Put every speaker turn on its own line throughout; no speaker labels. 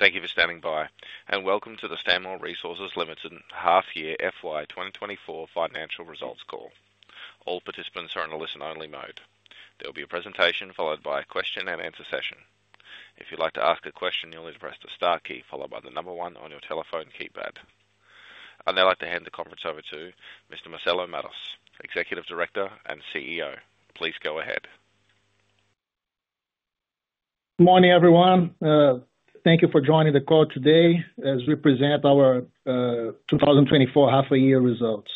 Thank you for standing by, and welcome to the Stanmore Resources Limited Half Year FY 2024 Financial Results Call. All participants are on a listen-only mode. There will be a presentation followed by a question and answer session. If you'd like to ask a question, you'll need to press the star key followed by the number one on your telephone keypad. I'd now like to hand the conference over to Mr. Marcelo Matos, Executive Director and CEO. Please go ahead.
Good morning, everyone. Thank you for joining the call today as we present our 2024 half a year results.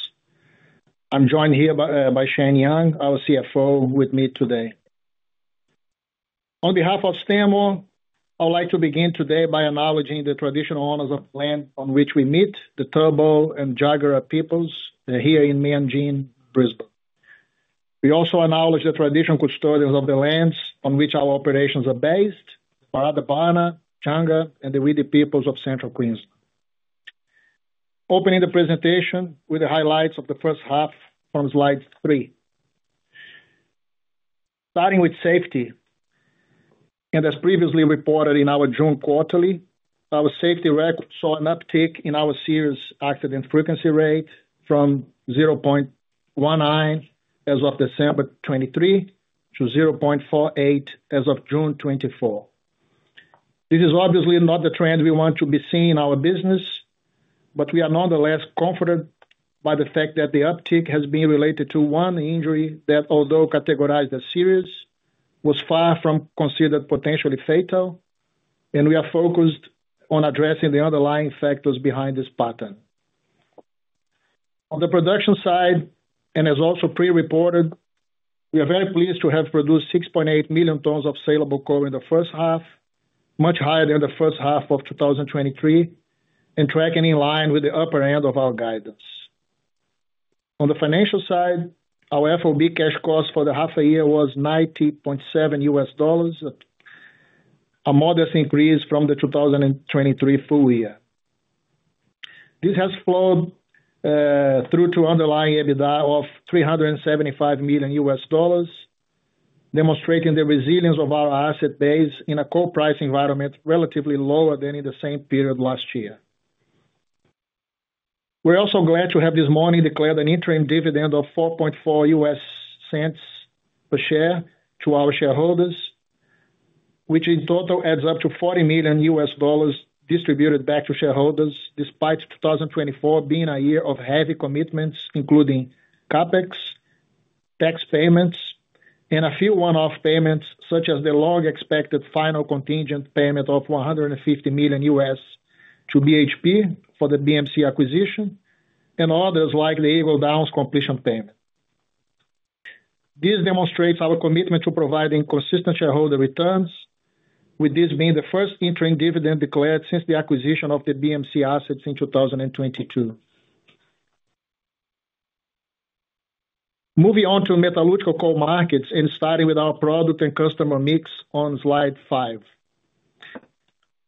I'm joined here by Shane Young, our CFO, with me today. On behalf of Stanmore, I'd like to begin today by acknowledging the traditional owners of the land on which we meet, the Turrbal and Jagera peoples, here in Meanjin, Brisbane. We also acknowledge the traditional custodians of the lands on which our operations are based, Barada Barna, Jangga, and the Widi peoples of Central Queensland. Opening the presentation with the highlights of the first half on slide three. Starting with safety, and as previously reported in our June quarterly, our safety record saw an uptick in our serious accident frequency rate from 0.19 as of December 2023 to 0.48 as of June 2024. This is obviously not the trend we want to be seeing in our business, but we are nonetheless confident by the fact that the uptick has been related to one injury that, although categorized as serious, was far from considered potentially fatal, and we are focused on addressing the underlying factors behind this pattern. On the production side, and as also pre-reported, we are very pleased to have produced 6.8 million tons of saleable coal in the first half, much higher than the first half of 2023, and tracking in line with the upper end of our guidance. On the financial side, our FOB cash cost for the half a year was $90.7, a modest increase from the 2023 full year. This has flowed through to underlying EBITDA of $375 million, demonstrating the resilience of our asset base in a coking price environment, relatively lower than in the same period last year. We're also glad to have this morning declared an interim dividend of $0.044 per share to our shareholders, which in total adds up to $40 million distributed back to shareholders, despite 2024 being a year of heavy commitments, including CapEx, tax payments, and a few one-off payments, such as the long-expected final contingent payment of $150 million to BHP for the BMC acquisition and others, like the Eagle Downs completion payment. This demonstrates our commitment to providing consistent shareholder returns, with this being the first interim dividend declared since the acquisition of the BMC assets in 2022. Moving on to metallurgical coal markets and starting with our product and customer mix on slide five.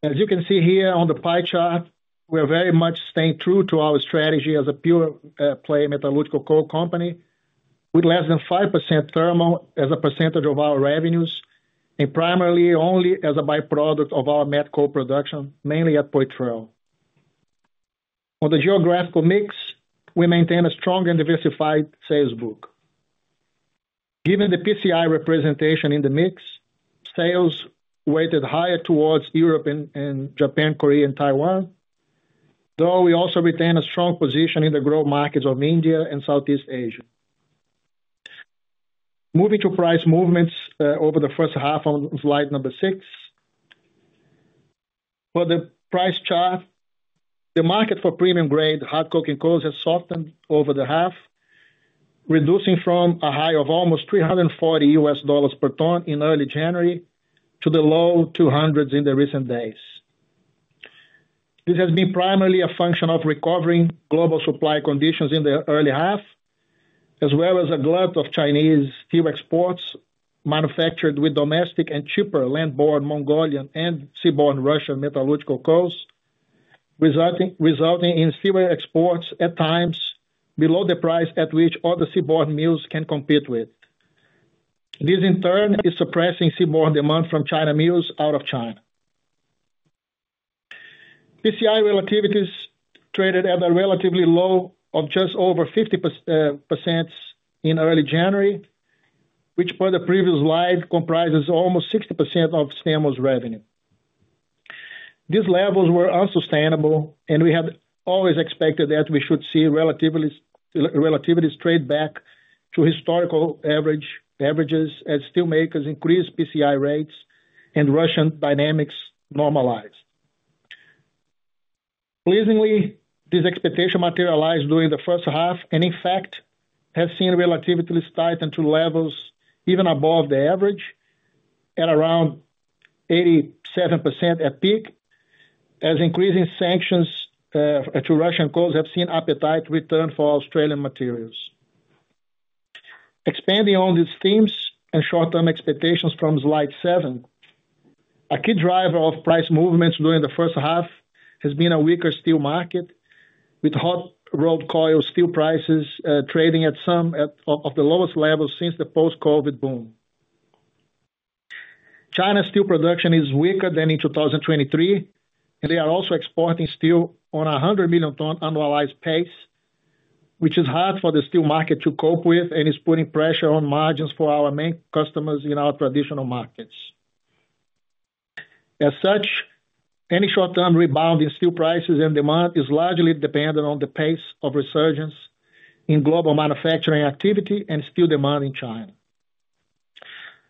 As you can see here on the pie chart, we're very much staying true to our strategy as a pure play metallurgical coal company, with less than 5% thermal as a percentage of our revenues, and primarily only as a by-product of our met coal production, mainly at Poitrel. On the geographical mix, we maintain a strong and diversified sales book. Given the PCI representation in the mix, sales weighted higher towards Europe and Japan, Korea and Taiwan, though we also retain a strong position in the growth markets of India and Southeast Asia. Moving to price movements over the first half on slide number six. For the price chart, the market for premium-grade hard coking coals has softened over the half, reducing from a high of almost $340 per ton in early January to the low $200s in the recent days. This has been primarily a function of recovering global supply conditions in the early half, as well as a glut of Chinese steel exports manufactured with domestic and cheaper landborne Mongolian and seaborne Russian metallurgical coals, resulting in steel exports at times below the price at which other seaborne mills can compete with. This, in turn, is suppressing seaborne demand from China mills out of China. PCI relativities traded at a relatively low of just over 50% in early January, which, per the previous slide, comprises almost 60% of Stanmore's revenue. These levels were unsustainable, and we had always expected that we should see relativities trade back to historical averages as steelmakers increase PCI rates and Russian dynamics normalize. Pleasingly, this expectation materialized during the first half, and in fact, has seen relativities tighten to levels even above the average at around 87% at peak, as increasing sanctions to Russian coals have seen appetite return for Australian materials. Expanding on these themes and short-term expectations from slide seven. A key driver of price movements during the first half has been a weaker steel market. With hot rolled coil steel prices trading at some of the lowest levels since the post-COVID boom. China's steel production is weaker than in 2023, and they are also exporting steel on a 100 million ton annualized pace, which is hard for the steel market to cope with, and it's putting pressure on margins for our main customers in our traditional markets. As such, any short-term rebound in steel prices and demand is largely dependent on the pace of resurgence in global manufacturing activity and steel demand in China.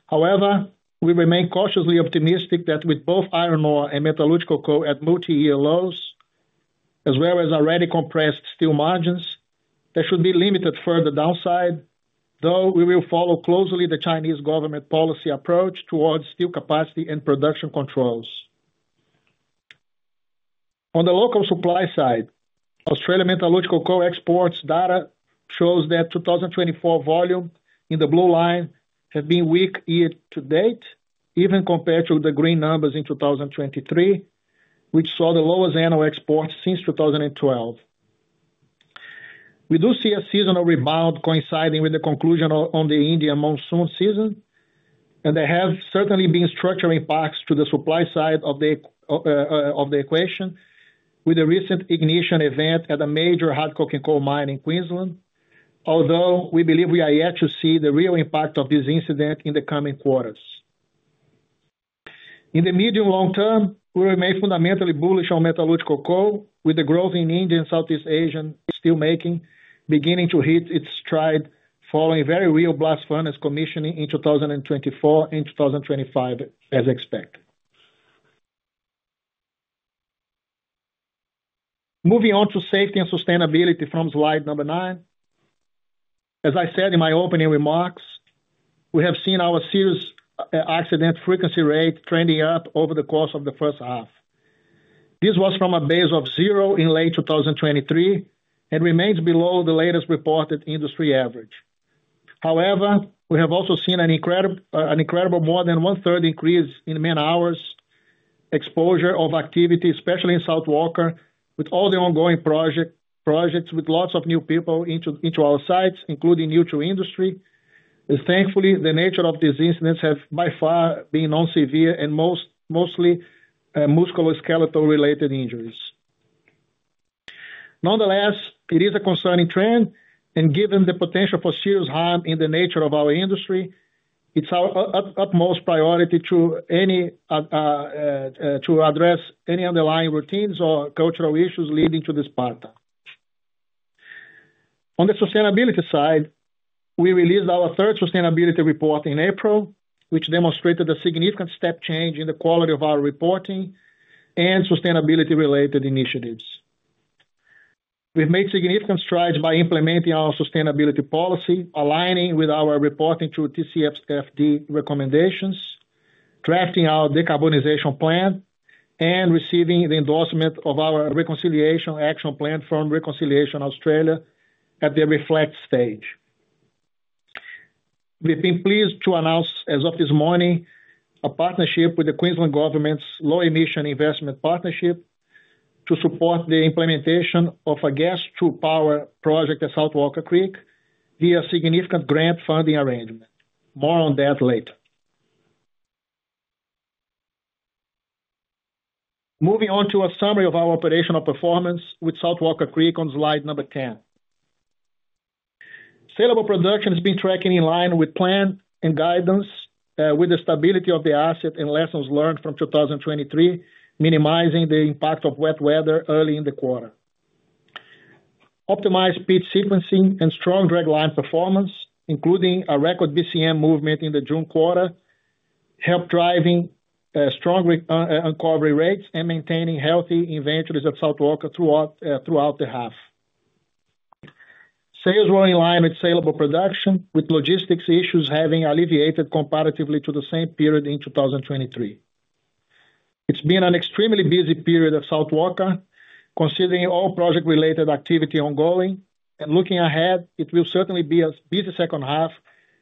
However, we remain cautiously optimistic that with both iron ore and metallurgical coal at multi-year lows, as well as already compressed steel margins, there should be limited further downside, though we will follow closely the Chinese government policy approach towards steel capacity and production controls. On the local supply side, Australian metallurgical coal exports data shows that 2024 volume in the blue line have been weak year to date, even compared to the green numbers in 2023, which saw the lowest annual exports since 2012. We do see a seasonal rebound coinciding with the conclusion on the Indian monsoon season, and there have certainly been structural impacts to the supply side of the equation with a recent ignition event at a major hard coking coal mine in Queensland. Although, we believe we are yet to see the real impact of this incident in the coming quarters. In the medium long term, we remain fundamentally bullish on metallurgical coal, with the growth in India and Southeast Asian steelmaking beginning to hit its stride, following very real blast furnace commissioning in 2024 and 2025, as expected. Moving on to safety and sustainability from slide number nine. As I said in my opening remarks, we have seen our serious accident frequency rate trending up over the course of the first half. This was from a base of zero in late 2023, and remains below the latest reported industry average. However, we have also seen an incredible more than one-third increase in man-hours, exposure of activity, especially in South Walker, with all the ongoing projects, with lots of new people into our sites, including new to industry. Thankfully, the nature of these incidents have by far been non-severe and mostly musculoskeletal-related injuries. Nonetheless, it is a concerning trend, and given the potential for serious harm in the nature of our industry, it's our utmost priority to address any underlying routines or cultural issues leading to this pattern. On the sustainability side, we released our third sustainability report in April, which demonstrated a significant step change in the quality of our reporting and sustainability-related initiatives. We've made significant strides by implementing our sustainability policy, aligning with our reporting through TCFD recommendations, drafting our decarbonization plan, and receiving the endorsement of our Reconciliation Action Plan from Reconciliation Australia at the Reflect stage. We've been pleased to announce, as of this morning, a partnership with the Queensland Government's Low Emissions Investment Partnership to support the implementation of a gas-to-power project at South Walker Creek via significant grant funding arrangement. More on that later. Moving on to a summary of our operational performance with South Walker Creek on slide number ten. Saleable production has been tracking in line with plan and guidance, with the stability of the asset and lessons learned from 2023, minimizing the impact of wet weather early in the quarter. Optimized pit sequencing and strong dragline performance, including a record BCM movement in the June quarter, help driving strong recovery rates and maintaining healthy inventories at South Walker throughout the half. Sales were in line with saleable production, with logistics issues having alleviated comparatively to the same period in 2023. It's been an extremely busy period of South Walker, considering all project-related activity ongoing. Looking ahead, it will certainly be a busy second half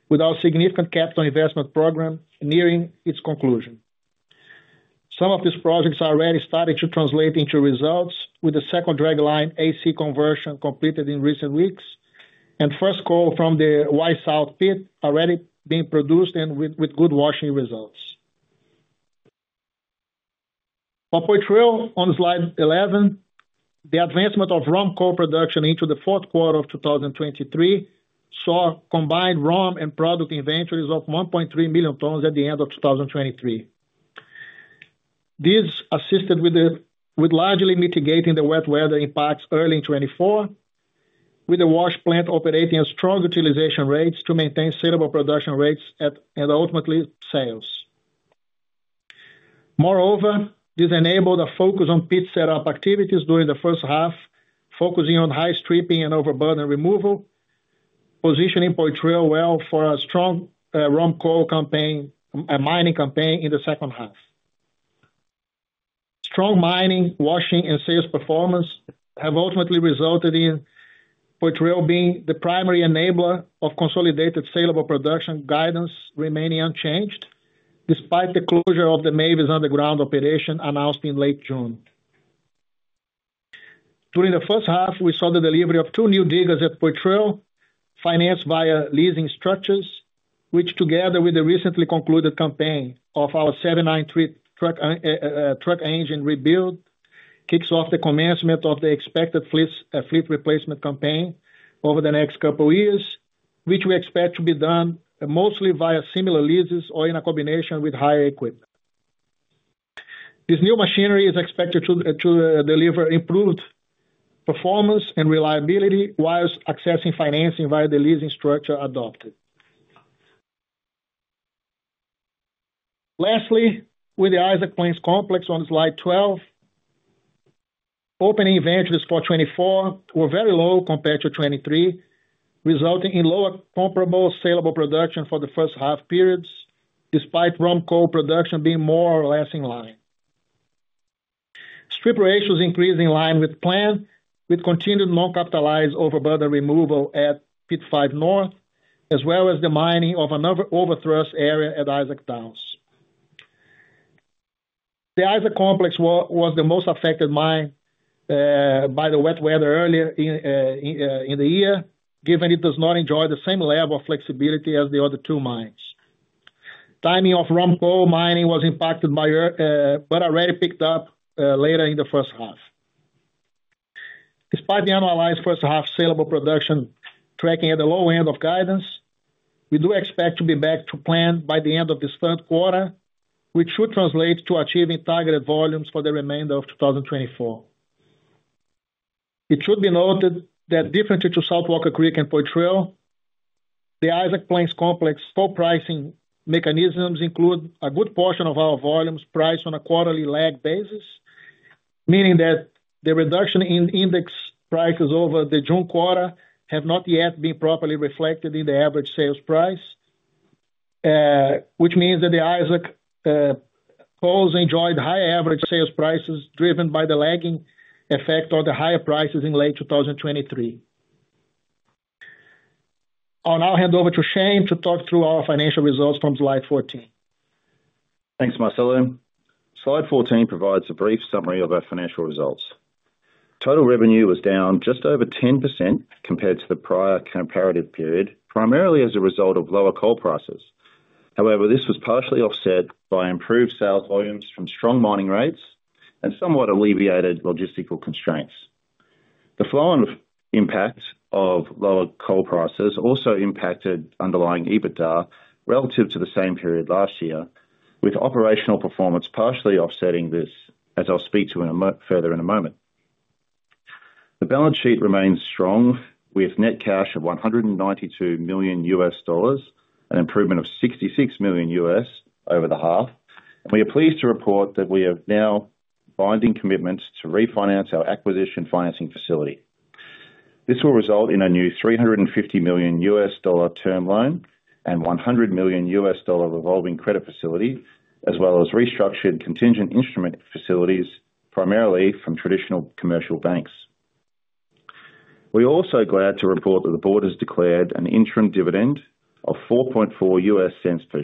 with our significant capital investment program nearing its conclusion. Some of these projects are already starting to translate into results, with the second dragline AC conversion completed in recent weeks, and first coal from the Y South pit already being produced and with good washing results. Poitrel on slide 11, the advancement of ROM coal production into the fourth quarter of 2023, saw combined ROM and product inventories of 1.3 million tons at the end of 2023. This assisted with largely mitigating the wet weather impacts early in 2024, with the wash plant operating at strong utilization rates to maintain saleable production rates at, and ultimately, sales. Moreover, this enabled a focus on pit set-up activities during the first half, focusing on high stripping and overburden removal, positioning Poitrel well for a strong ROM coal campaign, mining campaign in the second half. Strong mining, washing, and sales performance have ultimately resulted in Poitrel being the primary enabler of consolidated saleable production guidance remaining unchanged despite the closure of the Mavis underground operation announced in late June. During the first half, we saw the delivery of two new diggers at Poitrel, financed via leasing structures, which, together with the recently concluded campaign of our 793 truck engine rebuild, kicks off the commencement of the expected fleet replacement campaign over the next couple of years, which we expect to be done mostly via similar leases or in a combination with higher equipment. This new machinery is expected to deliver improved performance and reliability, while accessing financing via the leasing structure adopted. Lastly, with the Isaac Plains Complex on slide twelve, opening inventories for 2024 were very low compared to 2023, resulting in lower comparable saleable production for the first half periods, despite ROM coal production being more or less in line. Strip ratios increased in line with plan, with continued non-capitalized overburden removal at Pit 5 North, as well as the mining of another overthrust area at Isaac Downs. The Isaac Complex was the most affected mine by the wet weather earlier in the year, given it does not enjoy the same level of flexibility as the other two mines. Timing of ROM coal mining was impacted, but already picked up later in the first half. Despite the annualized first half saleable production tracking at the low end of guidance, we do expect to be back to plan by the end of this third quarter, which should translate to achieving targeted volumes for the remainder of 2024. It should be noted that differently to South Walker Creek and Poitrel, the Isaac Plains Complex spot pricing mechanisms include a good portion of our volumes priced on a quarterly lagged basis, meaning that the reduction in index prices over the June quarter have not yet been properly reflected in the average sales price, which means that the Isaac coals enjoyed high average sales prices, driven by the lagging effect of the higher prices in late 2023. I'll now hand over to Shane to talk through our financial results from slide fourteen.
Thanks, Marcelo. Slide 14 provides a brief summary of our financial results. Total revenue was down just over 10% compared to the prior comparative period, primarily as a result of lower coal prices. However, this was partially offset by improved sales volumes from strong mining rates and somewhat alleviated logistical constraints. The flow and impact of lower coal prices also impacted underlying EBITDA relative to the same period last year, with operational performance partially offsetting this, as I'll speak to further in a moment. The balance sheet remains strong, with net cash of $192 million, an improvement of $66 million over the half, and we are pleased to report that we have now binding commitments to refinance our acquisition financing facility. This will result in a new $350 million term loan and $100 million revolving credit facility, as well as restructured contingent instrument facilities, primarily from traditional commercial banks. We are also glad to report that the board has declared an interim dividend of $0.044 per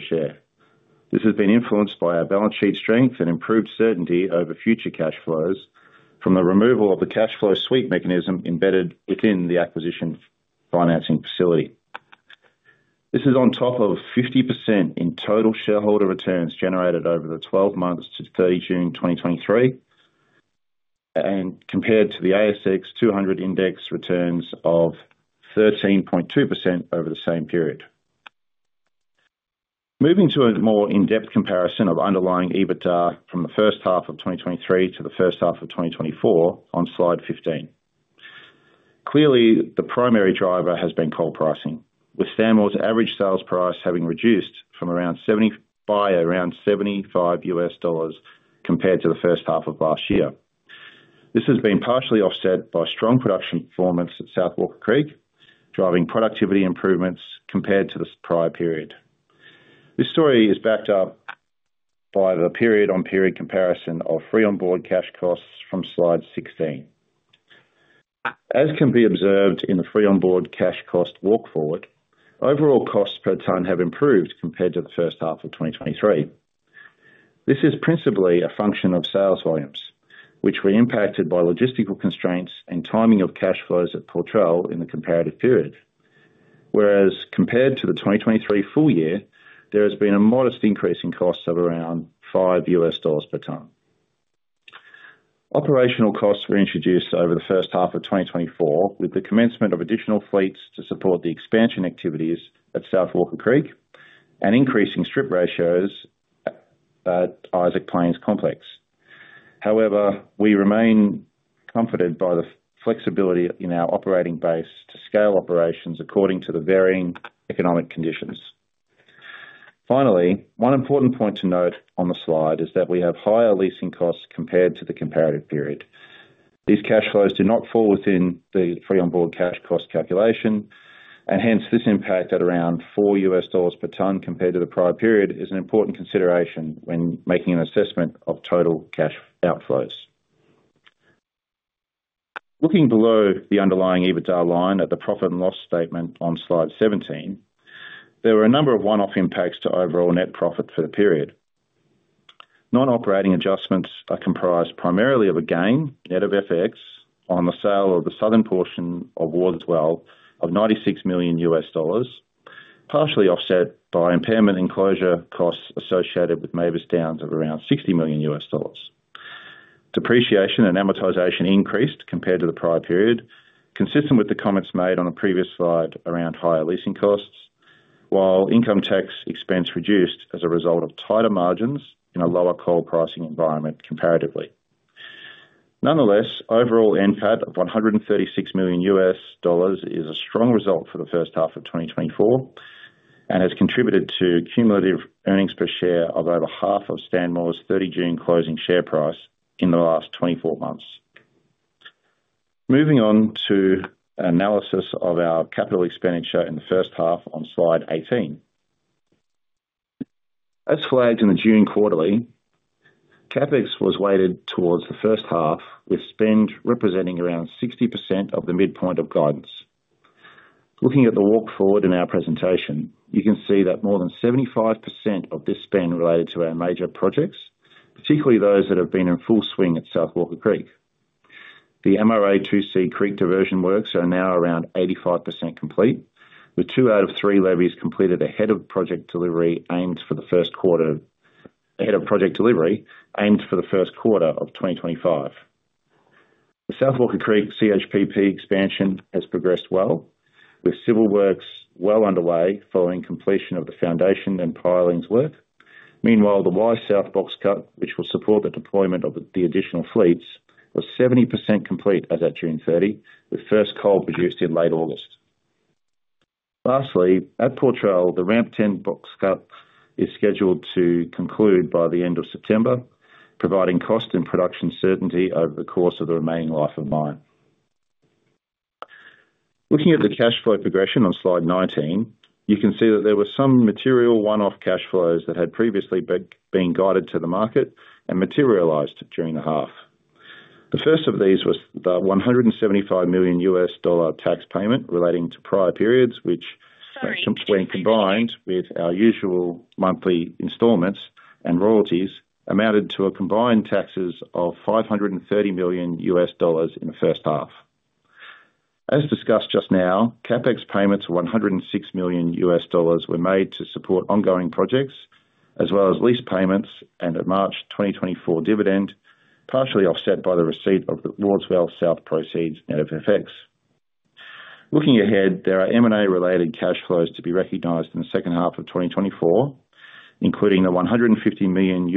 share. This has been influenced by our balance sheet strength and improved certainty over future cash flows from the removal of the cash flow sweep mechanism embedded within the acquisition financing facility. This is on top of 50% in total shareholder returns generated over the 12 months to 30 June 2023, and compared to the ASX 200 index returns of 13.2% over the same period. Moving to a more in-depth comparison of underlying EBITDA from the first half of 2023 to the first half of 2024 on Slide 15. Clearly, the primary driver has been coal pricing, with Stanmore's average sales price having reduced from around $75 compared to the first half of last year. This has been partially offset by strong production performance at South Walker Creek, driving productivity improvements compared to the prior period. This story is backed up by the period-on-period comparison of free on board cash costs from Slide 16. As can be observed in the free on board cash cost walk forward, overall costs per ton have improved compared to the first half of 2023. This is principally a function of sales volumes, which were impacted by logistical constraints and timing of cash flows at Poitrel in the comparative period. Whereas compared to the 2023 full year, there has been a modest increase in costs of around $5 per ton. Operational costs were introduced over the first half of 2024, with the commencement of additional fleets to support the expansion activities at South Walker Creek and increasing strip ratios at Isaac Plains Complex. However, we remain comforted by the flexibility in our operating base to scale operations according to the varying economic conditions. Finally, one important point to note on the slide is that we have higher leasing costs compared to the comparative period. These cash flows do not fall within the free on-board cash cost calculation, and hence this impact at around $4 per ton compared to the prior period is an important consideration when making an assessment of total cash outflows. Looking below the underlying EBITDA line at the profit and loss statement on slide 17, there were a number of one-off impacts to overall net profit for the period. Non-operating adjustments are comprised primarily of a gain net of FX, on the sale of the southern portion of Wards Well of $96 million, partially offset by impairment and closure costs associated with Mavis Downs of around $60 million. Depreciation and amortization increased compared to the prior period, consistent with the comments made on a previous slide around higher leasing costs, while income tax expense reduced as a result of tighter margins in a lower coal pricing environment comparatively. Nonetheless, overall NPAT of $136 million is a strong result for the first half of 2024, and has contributed to cumulative earnings per share of over half of Stanmore's 30 June closing share price in the last 24 months. Moving on to analysis of our capital expenditure in the first half on slide 18. As flagged in the June quarterly, CapEx was weighted towards the first half, with spend representing around 60% of the midpoint of guidance. Looking at the walk forward in our presentation, you can see that more than 75% of this spend related to our major projects, particularly those that have been in full swing at South Walker Creek. The MRA2C creek diversion works are now around 85% complete, with two out of three levees completed ahead of project delivery, aimed for the first quarter of 2025. The South Walker Creek CHPP expansion has progressed well, with civil works well underway following completion of the foundation and pilings work. Meanwhile, the Y South box cut, which will support the deployment of the additional fleets, was 70% complete as at June 30, with first coal produced in late August. Lastly, at Poitrel, the Ramp 10 box cut is scheduled to conclude by the end of September, providing cost and production certainty over the course of the remaining life of mine. Looking at the cash flow progression on slide 19, you can see that there were some material one-off cash flows that had previously been guided to the market and materialized during the half. The first of these was the $175 million tax payment relating to prior periods, which- Sorry- When combined with our usual monthly installments and royalties, amounted to combined taxes of $530 million in the first half. As discussed just now, CapEx payments of $106 million were made to support ongoing projects, as well as lease payments and a March 2024 dividend, partially offset by the receipt of the Wards Well South proceeds net of effects. Looking ahead, there are M&A-related cash flows to be recognized in the second half of 2024, including a $150 million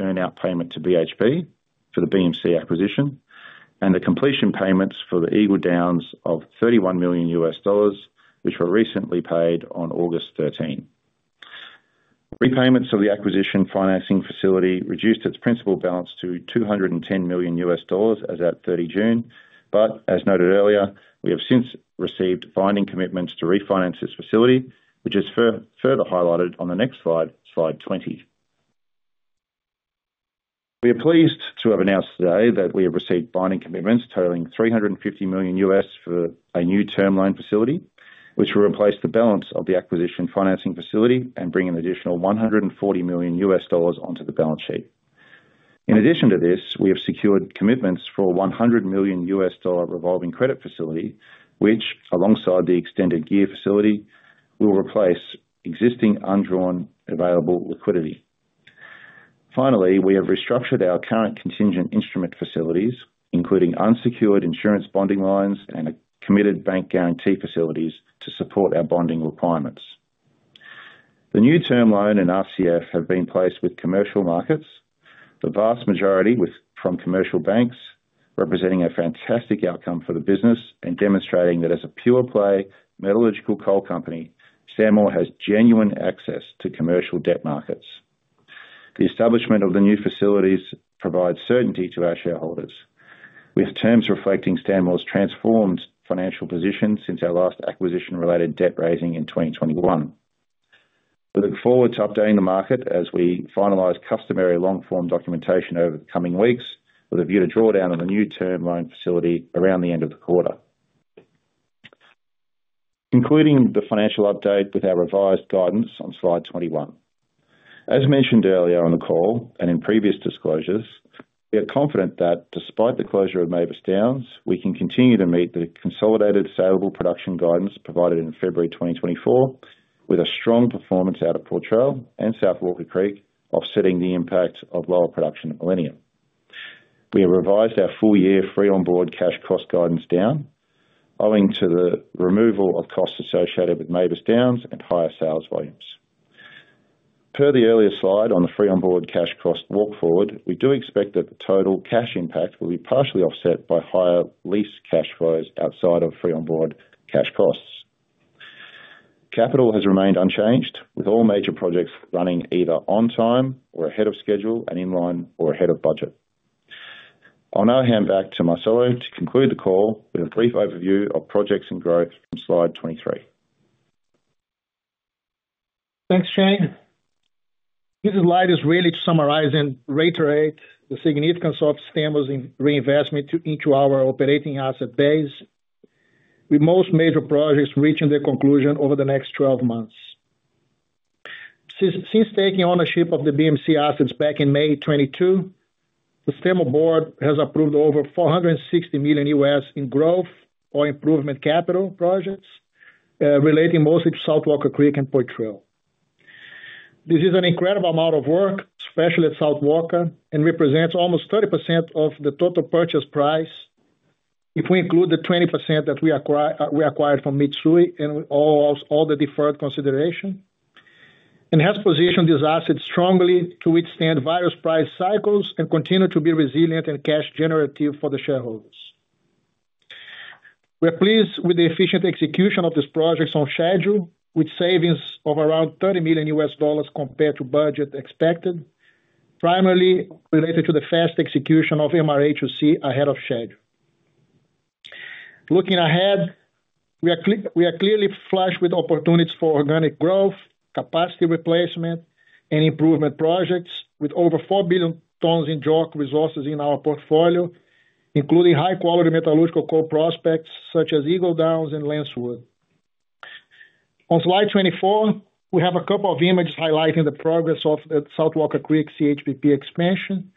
earn out payment to BHP for the BMC acquisition, and the completion payments for the Eagle Downs of $31 million, which were recently paid on August 13. Repayments of the acquisition financing facility reduced its principal balance to $210 million as at June 30. But as noted earlier, we have since received binding commitments to refinance this facility, which is further highlighted on the next slide, slide 20. We are pleased to have announced today that we have received binding commitments totaling $350 million for a new term loan facility, which will replace the balance of the acquisition financing facility and bring an additional $140 million onto the balance sheet. In addition to this, we have secured commitments for $100 million revolving credit facility, which alongside the extended GEAR facility, will replace existing undrawn available liquidity. Finally, we have restructured our current contingent instrument facilities, including unsecured insurance bonding lines and committed bank guarantee facilities to support our bonding requirements. The new term loan and RCF have been placed with commercial markets, the vast majority from commercial banks, representing a fantastic outcome for the business and demonstrating that as a pure play, metallurgical coal company, Stanmore has genuine access to commercial debt markets. The establishment of the new facilities provides certainty to our shareholders, with terms reflecting Stanmore's transformed financial position since our last acquisition-related debt raising in 2021. We look forward to updating the market as we finalize customary long form documentation over the coming weeks, with a view to draw down on the new term loan facility around the end of the quarter. Concluding the financial update with our revised guidance on slide 21. As mentioned earlier on the call and in previous disclosures, we are confident that despite the closure of Mavis Downs, we can continue to meet the consolidated salable production guidance provided in February 2024, with a strong performance out of Poitrel and South Walker Creek, offsetting the impact of lower production at Millennium. We have revised our full-year free on board cash cost guidance down, owing to the removal of costs associated with Mavis Downs and higher sales volumes. Per the earlier slide on the free on board cash cost walk forward, we do expect that the total cash impact will be partially offset by higher lease cash flows outside of free on board cash costs. Capital has remained unchanged, with all major projects running either on time or ahead of schedule and in line or ahead of budget. I'll now hand back to Marcelo to conclude the call with a brief overview of projects and growth from slide 23.
Thanks, Shane. This slide is really to summarize and reiterate the significance of Stanmore's reinvestment into our operating asset base, with most major projects reaching their conclusion over the next twelve months. Since taking ownership of the BMC assets back in May 2022, the Stanmore board has approved over $460 million in growth or improvement capital projects, relating mostly to South Walker Creek and Poitrel. This is an incredible amount of work, especially at South Walker, and represents almost 30% of the total purchase price. If we include the 20% that we acquired from Mitsui and all the deferred consideration, and has positioned this asset strongly to withstand various price cycles and continue to be resilient and cash generative for the shareholders. We're pleased with the efficient execution of these projects on schedule, with savings of around $30 million compared to budget expected, primarily related to the fast execution of MRA2C ahead of schedule. Looking ahead, we are clearly flushed with opportunities for organic growth, capacity replacement, and improvement projects, with over four billion tons in JORC resources in our portfolio, including high-quality metallurgical coal prospects such as Eagle Downs and Lancewood. On slide 24, we have a couple of images highlighting the progress of the South Walker Creek CHPP expansion,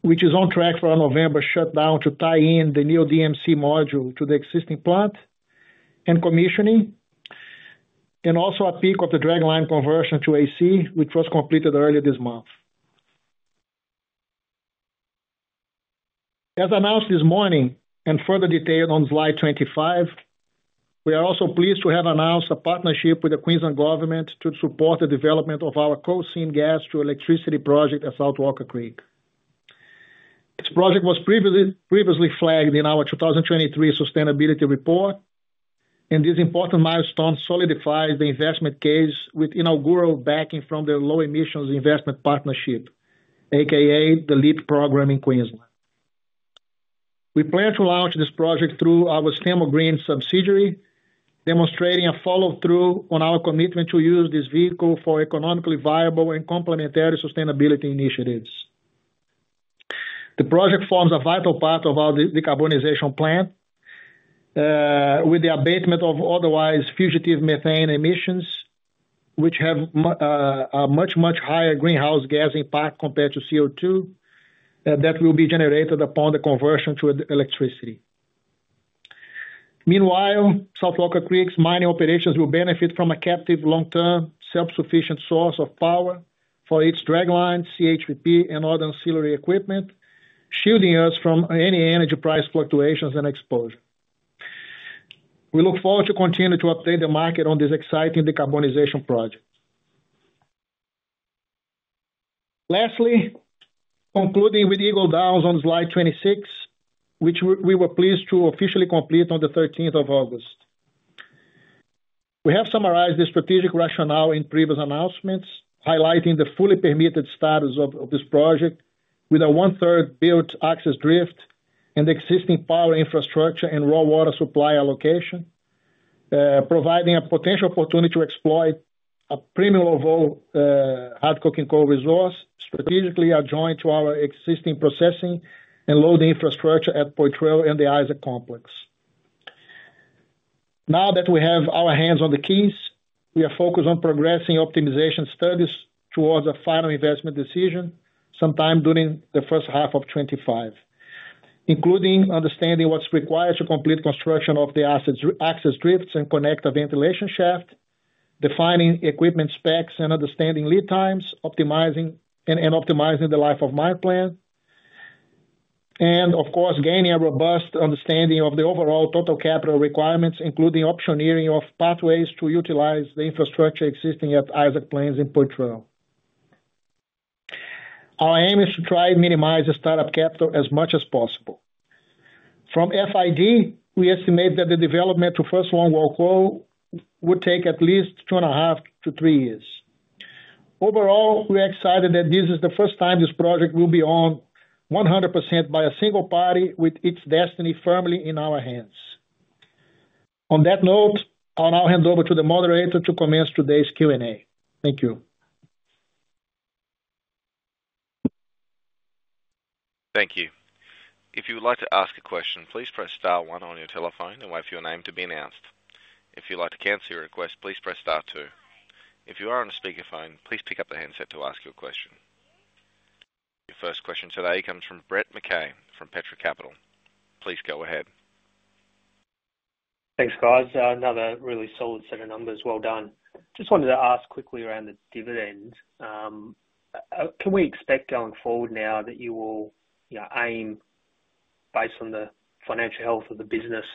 which is on track for a November shutdown to tie in the new DMC module to the existing plant and commissioning, and also a peek of the dragline conversion to AC, which was completed earlier this month. As announced this morning, and further detailed on slide 25, we are also pleased to have announced a partnership with the Queensland Government to support the development of our coal seam gas to electricity project at South Walker Creek. This project was previously flagged in our 2023 sustainability report, and this important milestone solidifies the investment case with inaugural backing from the Low Emissions Investment Partnership, aka, the LEIP program in Queensland. We plan to launch this project through our Stanmore Green subsidiary, demonstrating a follow-through on our commitment to use this vehicle for economically viable and complementary sustainability initiatives. The project forms a vital part of our decarbonization plan, with the abatement of otherwise fugitive methane emissions, which have a much, much higher greenhouse gas impact compared to CO2, that will be generated upon the conversion to electricity. Meanwhile, South Walker Creek's mining operations will benefit from a captive, long-term, self-sufficient source of power for its dragline, CHPP, and other ancillary equipment, shielding us from any energy price fluctuations and exposure. We look forward to continuing to update the market on this exciting decarbonization project. Lastly, concluding with Eagle Downs on slide 26, which we were pleased to officially complete on the thirteenth of August. We have summarized the strategic rationale in previous announcements, highlighting the fully permitted status of this project with a one-third built access drift and existing power infrastructure and raw water supply allocation. Providing a potential opportunity to exploit a premium level hard coking coal resource, strategically adjoined to our existing processing and loading infrastructure at Poitrel and the Isaac complex. Now that we have our hands on the keys, we are focused on progressing optimization studies towards a final investment decision sometime during the first half of 2025, including understanding what's required to complete construction of the assets, access drifts, and connect a ventilation shaft, defining equipment specs and understanding lead times, optimizing the life of mine plan, and of course, gaining a robust understanding of the overall total capital requirements, including optioneering of pathways to utilize the infrastructure existing at Isaac Plains and Poitrel. Our aim is to try and minimize the start-up capital as much as possible. From FID, we estimate that the development to first longwall coal will take at least two and a half to three years. Overall, we're excited that this is the first time this project will be owned 100% by a single party, with its destiny firmly in our hands. On that note, I'll now hand over to the moderator to commence today's Q&A. Thank you.
Thank you. If you would like to ask a question, please press star one on your telephone and wait for your name to be announced. If you'd like to cancel your request, please press star two. If you are on a speakerphone, please pick up the handset to ask your question. Your first question today comes from Brett McKay from Petra Capital. Please go ahead.
Thanks, guys. Another really solid set of numbers. Well done. Just wanted to ask quickly around the dividend. Can we expect going forward now that you will, you know, aim based on the financial health of the business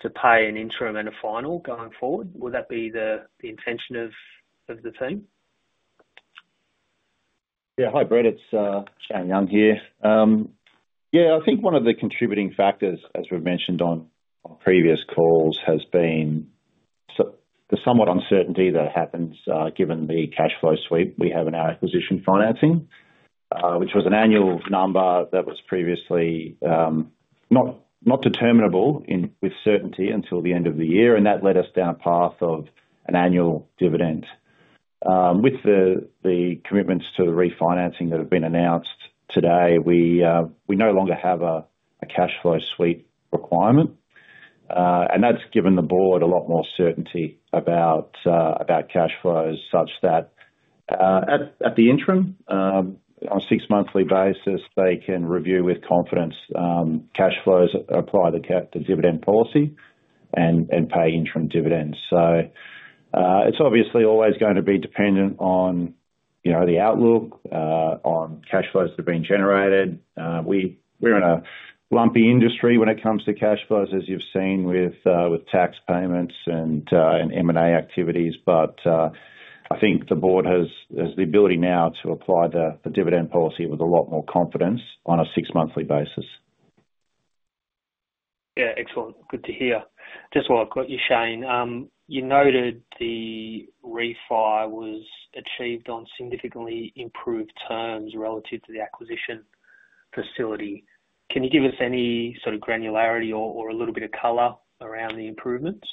to pay an interim and a final going forward? Would that be the intention of the team?
Yeah. Hi, Brett, it's Shane Young here. Yeah, I think one of the contributing factors, as we've mentioned on previous calls, has been the somewhat uncertainty that happens given the cash flow sweep we have in our acquisition financing, which was an annual number that was previously not determinable with certainty until the end of the year, and that led us down a path of an annual dividend. With the commitments to the refinancing that have been announced today, we no longer have a cash flow sweep requirement. That's given the board a lot more certainty about cash flows, such that at the interim on a six monthly basis, they can review with confidence cash flows, apply the dividend policy, and pay interim dividends. So, it's obviously always going to be dependent on, you know, the outlook on cash flows that are being generated. We're in a lumpy industry when it comes to cash flows, as you've seen with tax payments and M&A activities. But, I think the board has the ability now to apply the dividend policy with a lot more confidence on a six monthly basis.
Yeah. Excellent. Good to hear. Just while I've got you, Shane, you noted the refi was achieved on significantly improved terms relative to the acquisition facility. Can you give us any sort of granularity or, or a little bit of color around the improvements?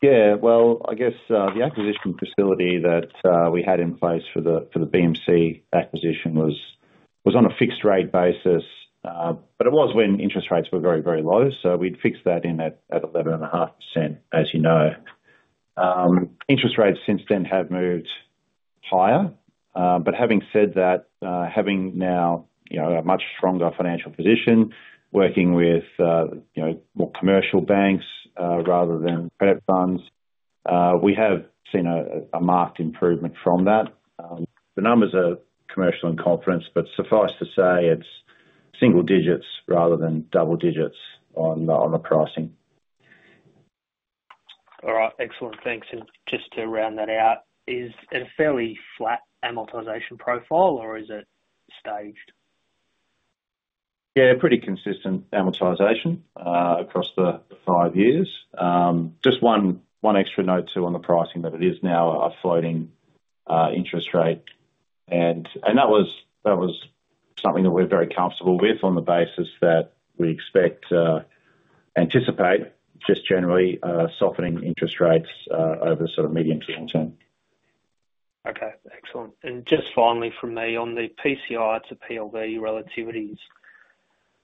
Yeah. Well, I guess the acquisition facility that we had in place for the BMC acquisition was on a fixed rate basis, but it was when interest rates were very, very low, so we'd fixed that in at 11.5%, as you know. Interest rates since then have moved higher, but having said that, having now you know a much stronger financial position, working with you know more commercial banks rather than credit funds, we have seen a marked improvement from that. The numbers are commercial in confidence, but suffice to say, it's single digits rather than double digits on the pricing.
All right. Excellent. Thanks. And just to round that out, is it a fairly flat amortization profile or is it staged?
Yeah, pretty consistent amortization across the five years. Just one extra note, too, on the pricing, that it is now a floating interest rate. And that was something that we're very comfortable with on the basis that we anticipate just generally softening interest rates over sort of medium to long term.
Okay, excellent. And just finally from me, on the PCI to PLV relativities,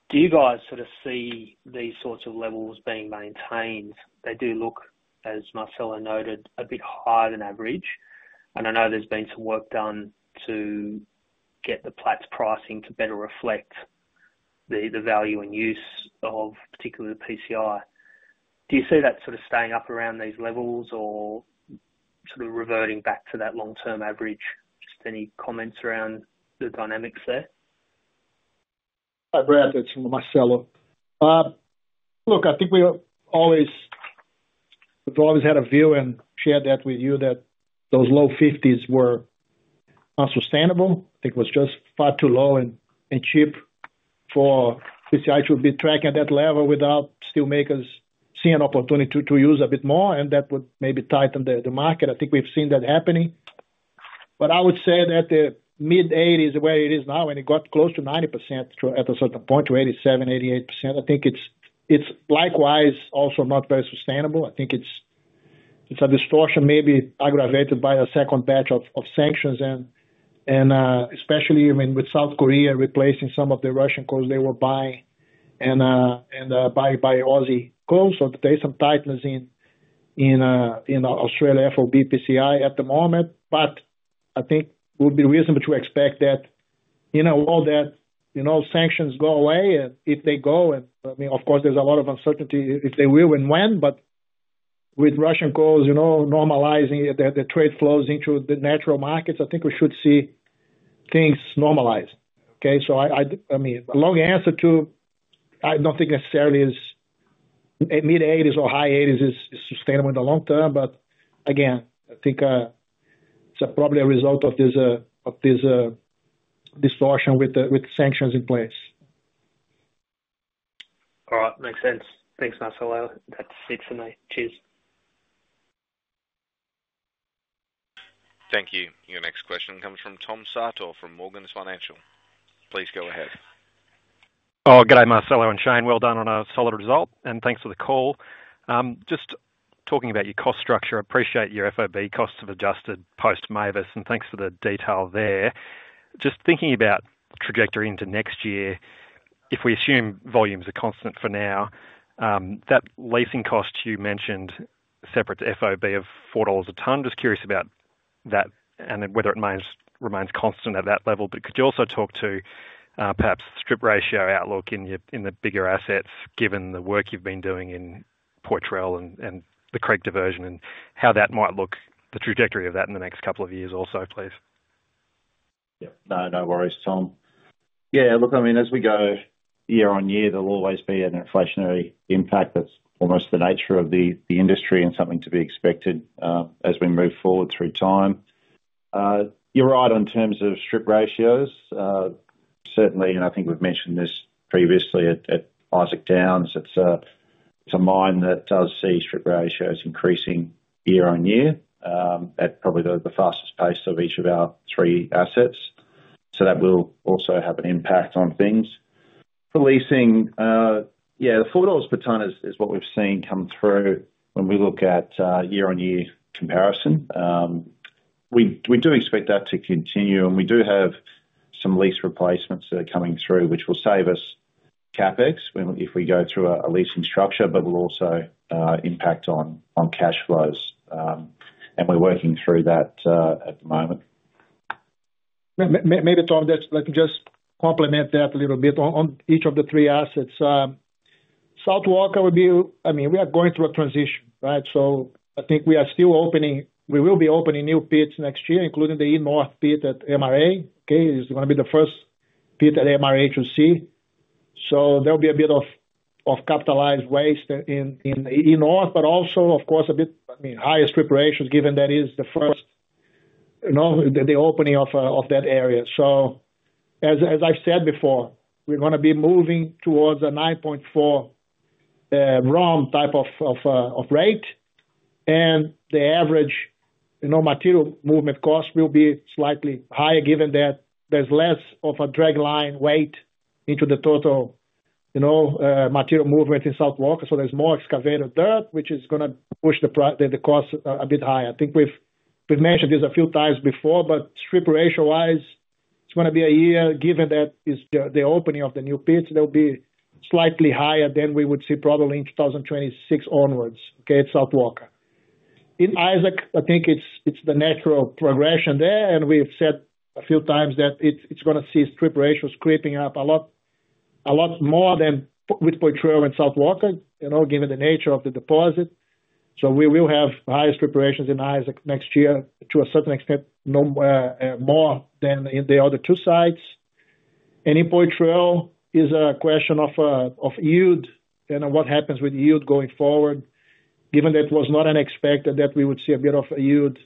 do you guys sort of see these sorts of levels being maintained? They do look, as Marcelo noted, a bit higher than average, and I know there's been some work done to get the Platts pricing to better reflect the, the value and use of particularly the PCI. Do you see that sort of staying up around these levels or sort of reverting back to that long-term average? Just any comments around the dynamics there?
Hi, Brett, it's Marcelo. Look, I think we always, we've always had a view and shared that with you, that those low fifties were unsustainable. It was just far too low and cheap for PCI to be tracking that level without steel makers seeing an opportunity to use a bit more, and that would maybe tighten the market. I think we've seen that happening. But I would say that the mid-eighties, the way it is now, and it got close to 90% to at a certain point, to 87%-88%, I think it's likewise also not very sustainable. I think it's a distortion maybe aggravated by the second batch of sanctions and especially even with South Korea replacing some of the Russian coal they were buying and buy Aussie coal. So there is some tightness in Australia FOB PCI at the moment, but I think it would be reasonable to expect that, you know, all that, you know, sanctions go away. And if they go, and I mean, of course, there's a lot of uncertainty if they will and when, but with Russian coals, you know, normalizing the trade flows into the natural markets, I think we should see things normalize. Okay, so I mean, long answer to, I don't think necessarily is mid-eighties or high eighties is sustainable in the long term. But again, I think it's probably a result of this distortion with the sanctions in place.
All right. Makes sense. Thanks, Marcelo. That's it for me. Cheers.
Thank you. Your next question comes from Tom Sartor, from Morgans Financial. Please go ahead.
Oh, g'day, Marcelo and Shane. Well done on a solid result, and thanks for the call. Just talking about your cost structure, appreciate your FOB costs have adjusted post-Mavis, and thanks for the detail there. Just thinking about trajectory into next year, if we assume volumes are constant for now, that leasing cost you mentioned separate to FOB of $4 a ton, just curious about that and whether it remains constant at that level. But could you also talk to perhaps strip ratio outlook in the bigger assets, given the work you've been doing in Poitrel and the creek diversion, and how that might look, the trajectory of that in the next couple of years also, please?
Yeah. No, no worries, Tom. Yeah, look, I mean, as we go year on year, there'll always be an inflationary impact that's almost the nature of the industry and something to be expected as we move forward through time. You're right on terms of strip ratios. Certainly, and I think we've mentioned this previously at Isaac Downs. It's a mine that does see strip ratios increasing year-on-year at probably the fastest pace of each of our three assets. So that will also have an impact on things. The leasing, yeah, the $4 per ton is what we've seen come through when we look at year-on-year comparison. We do expect that to continue, and we do have some lease replacements that are coming through, which will save us CapEx if we go through a leasing structure, but will also impact on cash flows, and we're working through that at the moment.
Maybe, Tom, just let me just comment that a little bit on each of the three assets. South Walker would be - I mean, we are going through a transition, right? So I think we are still opening - we will be opening new pits next year, including the E-North pit at MRA. Okay? It's gonna be the first pit at MRA to see. So there'll be a bit of capitalized waste in North, but also, of course, a bit, I mean, highest preparations, given that is the first, you know, the opening of that area. So as I've said before, we're gonna be moving towards a nine point four ROM type of rate. And the average, you know, material movement cost will be slightly higher, given that there's less of a dragline weight into the total, you know, material movement in South Walker. So there's more excavator dirt, which is gonna push the the cost a bit higher. I think we've mentioned this a few times before, but strip ratio-wise, it's gonna be a year, given that it's the opening of the new pits, they'll be slightly higher than we would see probably in 2026 onwards, okay, at South Walker. In Isaac, I think it's the natural progression there, and we've said a few times that it's gonna see strip ratios creeping up a lot more than with Poitrel and South Walker, you know, given the nature of the deposit. So we will have highest preparations in Isaac next year, to a certain extent, more than in the other two sites. In Poitrel it is a question of yield and what happens with yield going forward, given that it was not unexpected that we would see a bit of a yield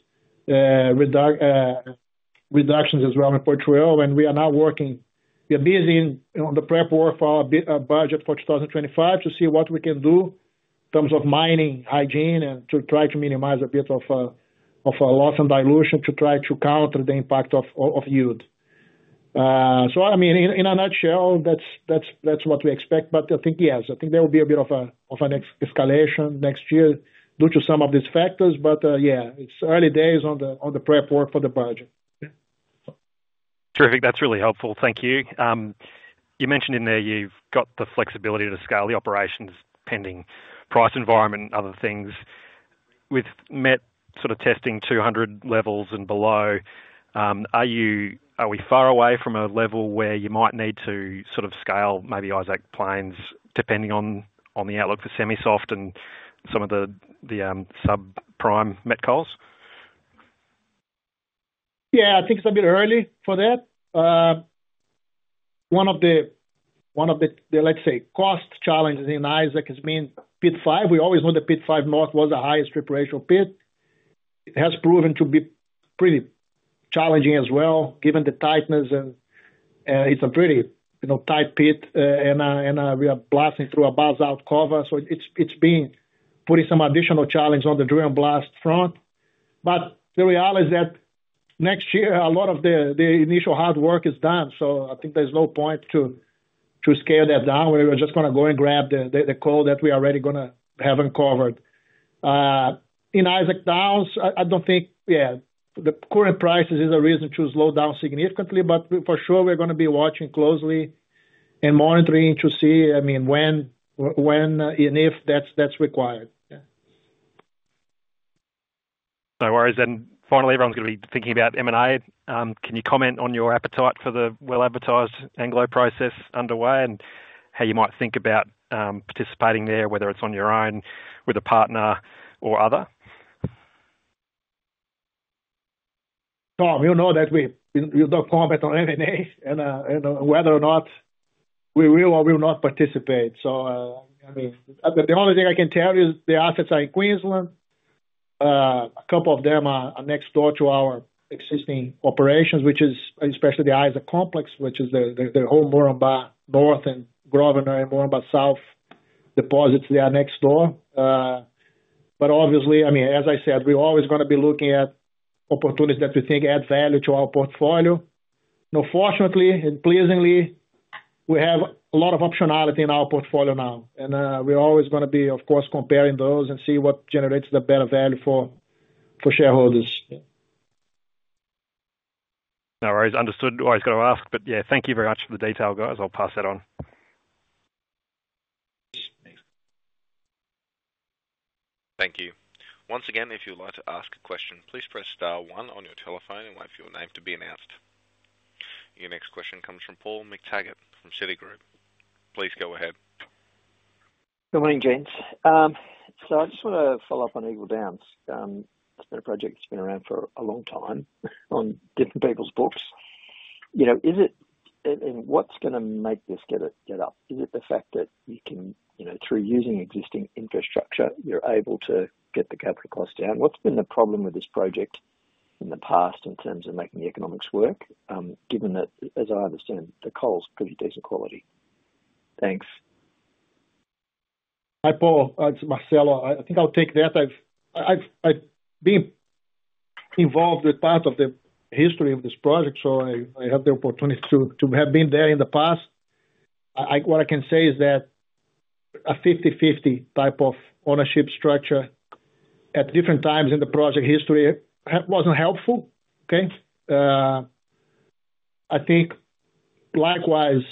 reductions as well in Poitrel. We are now working. We are busy on the prep work for our budget for 2025 to see what we can do in terms of mining, hygiene, and to try to minimize a bit of a loss and dilution to try to counter the impact of yield. So, I mean, in a nutshell, that's what we expect. But I think, yes, I think there will be a bit of an escalation next year due to some of these factors. But, yeah, it's early days on the prep work for the budget.
Terrific. That's really helpful. Thank you. You mentioned in there you've got the flexibility to scale the operations pending price environment and other things. With met sort of testing two hundred levels and below, are we far away from a level where you might need to sort of scale maybe Isaac Plains, depending on the outlook for semi-soft and some of the sub-prime met coals?
Yeah, I think it's a bit early for that. One of the, let's say, cost challenges in Isaac has been Pit 5. We always know that Pit 5 North was the highest preparation pit. It has proven to be pretty challenging as well, given the tightness and it's a pretty, you know, tight pit. And we are blasting through a basalt cover, so it's been putting some additional challenge on the drill and blast front. But the reality is that next year, a lot of the initial hard work is done, so I think there's no point to scale that down. We are just gonna go and grab the coal that we are already gonna have uncovered. In Isaac Downs, I don't think, yeah, the current prices is a reason to slow down significantly, but for sure, we're gonna be watching closely and monitoring to see, I mean, when and if that's required. Yeah.
No worries. Then finally, everyone's gonna be thinking about M&A. Can you comment on your appetite for the well-advertised Anglo process underway and how you might think about participating there, whether it's on your own with a partner or other?
Tom, you know that we don't comment on M&A and whether or not we will or will not participate. So, I mean, the only thing I can tell you is the assets are in Queensland. A couple of them are next door to our existing operations, which is especially the Isaac complex, which is the whole Moranbah North and Grosvenor and Moranbah South deposits, they are next door. But obviously, I mean, as I said, we're always gonna be looking at opportunities that we think add value to our portfolio. Now, fortunately and pleasingly, we have a lot of optionality in our portfolio now, and we're always gonna be, of course, comparing those and see what generates the better value for shareholders.
No worries. Understood. Always got to ask, but yeah, thank you very much for the detail, guys. I'll pass that on.
Thank you. Once again, if you'd like to ask a question, please press star one on your telephone and wait for your name to be announced. Your next question comes from Paul McTaggart from Citigroup. Please go ahead.
Good morning, James. So I just wanna follow up on Eagle Downs. It's been a project that's been around for a long time on different people's books. You know, is it, and what's gonna make this get up? Is it the fact that you can, you know, through using existing infrastructure, you're able to get the capital costs down? What's been the problem with this project in the past, in terms of making the economics work, given that, as I understand, the coal's pretty decent quality. Thanks.
Hi, Paul. It's Marcelo. I think I'll take that. I've been involved with part of the history of this project, so I have the opportunity to have been there in the past. What I can say is that a fifty/fifty type of ownership structure at different times in the project history wasn't helpful. Okay? I think likewise,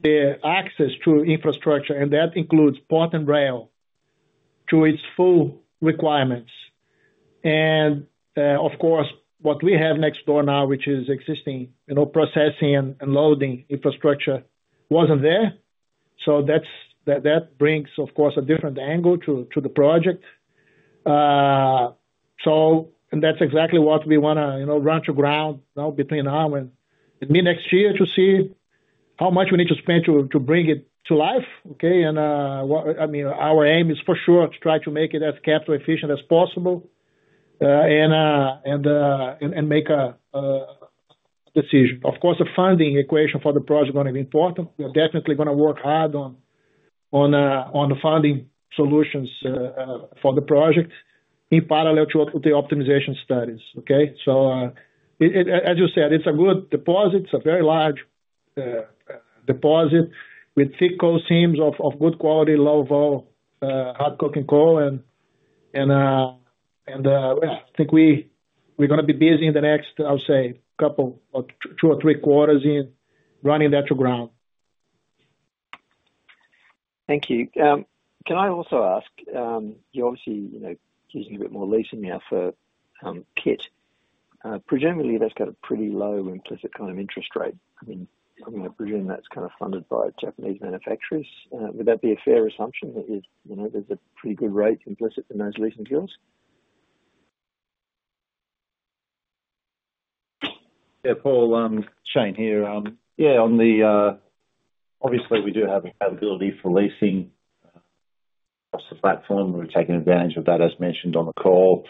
the access to infrastructure, and that includes port and rail, to its full requirements. And, of course, what we have next door now, which is existing, you know, processing and loading infrastructure, wasn't there. So that brings, of course, a different angle to the project. And that's exactly what we wanna, you know, run to ground, you know, between now and maybe next year, to see how much we need to spend to bring it to life, okay? I mean, our aim is for sure to try to make it as capital efficient as possible, and make a decision. Of course, the funding equation for the project gonna be important. We're definitely gonna work hard on the funding solutions for the project, in parallel to the optimization studies, okay? So, as you said, it's a good deposit. It's a very large deposit with thick coal seams of good quality, low vol hard coking coal. Yeah, I think we're gonna be busy in the next, I'll say, couple or two or three quarters in running that to ground.
Thank you. Can I also ask, you obviously, you know, using a bit more leasing now for pit. Presumably that's got a pretty low implicit kind of interest rate. I mean, I'm gonna presume that's kind of funded by Japanese manufacturers. Would that be a fair assumption, that there's, you know, there's a pretty good rate implicit in those leasing deals?
Yeah, Paul, Shane here. Yeah, on the, obviously we do have the capability for leasing across the platform. We've taken advantage of that, as mentioned on the call.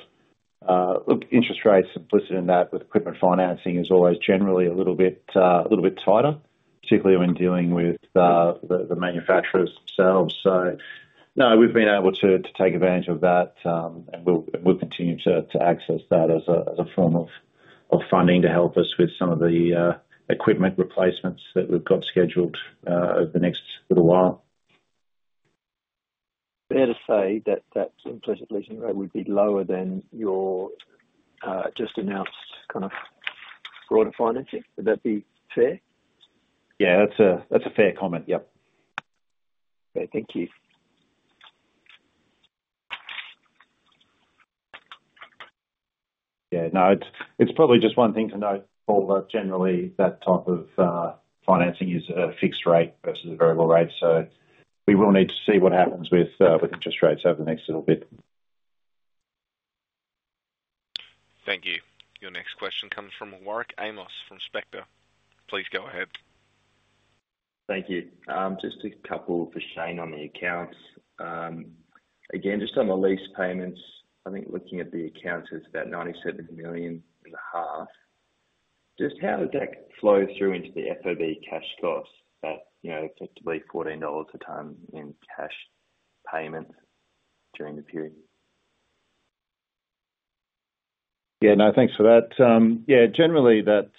Look, interest rates implicit in that, with equipment financing, is always generally a little bit tighter, particularly when dealing with the manufacturers themselves. So no, we've been able to take advantage of that, and we'll continue to access that as a form of funding to help us with some of the equipment replacements that we've got scheduled over the next little while.
Fair to say that that implicit leasing rate would be lower than your, just announced, kind of, broader financing. Would that be fair?
Yeah, that's a, that's a fair comment. Yep.
Okay, thank you.
Yeah, no, it's probably just one thing to note, Paul, that generally that type of financing is a fixed rate versus a variable rate, so we will need to see what happens with interest rates over the next little bit.
Thank you. Your next question comes from Warwick Amos, from Petra. Please go ahead.
Thank you. Just a couple for Shane on the accounts. Again, just on the lease payments, I think looking at the accounts, it's about $97.5 million. Just how does that flow through into the FOB cash costs that, you know, effectively $14 a ton in cash payments during the period?
Yeah, no, thanks for that. Yeah, generally that,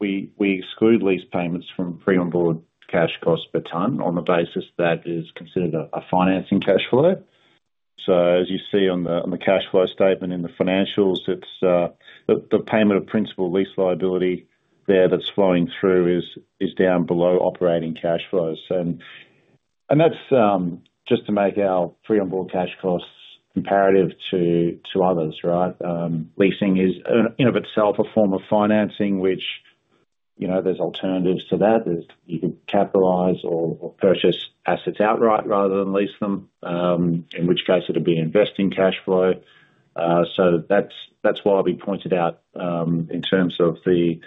we exclude lease payments from free on board cash costs per ton, on the basis that is considered a financing cash flow. So as you see on the cash flow statement in the financials, it's the payment of principal lease liability there that's flowing through is down below operating cash flows. And that's just to make our free on board cash costs comparative to others, right? Leasing is in of itself a form of financing, which, you know, there's alternatives to that. There's you could capitalize or purchase assets outright rather than lease them, in which case it would be investing cash flow. So that's why we pointed out, in terms of the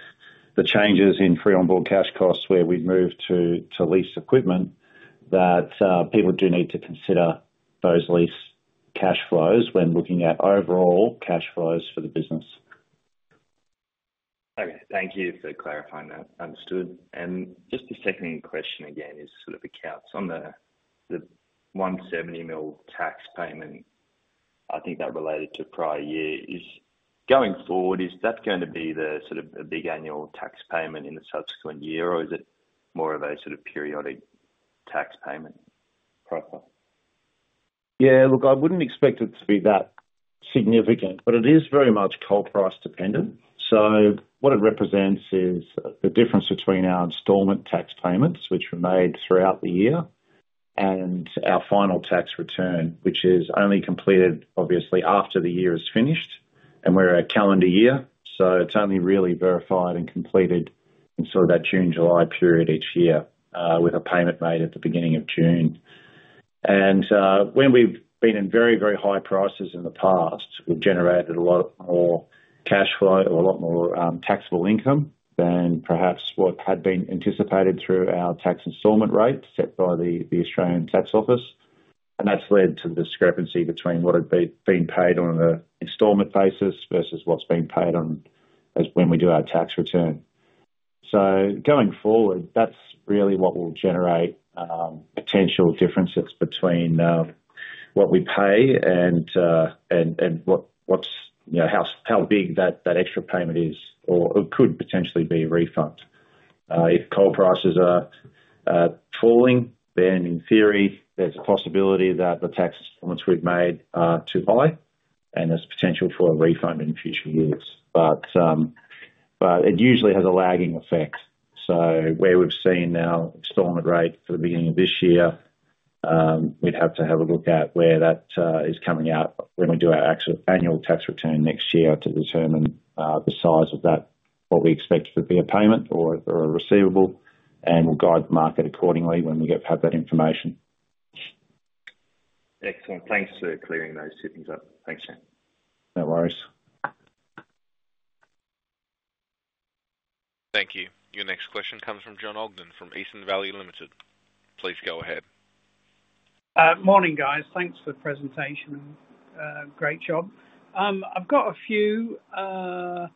changes in free on board cash costs, where we've moved to lease equipment, that people do need to consider those lease cash flows when looking at overall cash flows for the business.
Okay. Thank you for clarifying that. Understood. And just the second question, again, is sort of accounts. On the, the 170 million tax payment, I think that related to prior year. Is going forward, is that going to be the sort of a big annual tax payment in the subsequent year, or is it more of a sort of periodic tax payment profile?
Yeah, look, I wouldn't expect it to be that significant, but it is very much coal price dependent. So what it represents is the difference between our installment tax payments, which were made throughout the year, and our final tax return, which is only completed obviously after the year is finished, and we're a calendar year, so it's only really verified and completed in sort of that June, July period each year, with a payment made at the beginning of June. When we've been in very, very high prices in the past, we've generated a lot more cash flow or a lot more taxable income than perhaps what had been anticipated through our tax installment rates, set by the Australian Taxation Office. That's led to the discrepancy between what had been paid on an installment basis versus what's being paid on, as when we do our tax return. Going forward, that's really what will generate potential differences between what we pay and what's, you know, how big that extra payment is, or it could potentially be a refund. If coal prices are falling, then in theory, there's a possibility that the tax installments we've made are too high, and there's potential for a refund in future years. But it usually has a lagging effect. So where we've seen our installment rate for the beginning of this year, we'd have to have a look at where that is coming out when we do our actual annual tax return next year to determine the size of that, what we expect would be a payment or if they're a receivable, and we'll guide the market accordingly when we have had that information.
Excellent. Thanks for clearing those things up. Thanks, Dan.
No worries.
Thank you. Your next question comes from Jon Ogden, from Eastern Value Limited. Please go ahead.
Morning, guys. Thanks for the presentation. Great job. I've got a few, a